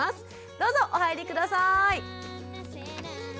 どうぞお入り下さい。